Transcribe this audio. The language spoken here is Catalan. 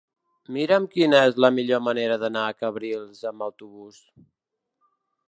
Mira'm quina és la millor manera d'anar a Cabrils amb autobús.